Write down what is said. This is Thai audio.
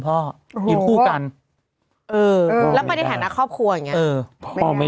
เออแล้วไปในฐานะครอบครัวอย่างนี้